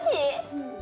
うん。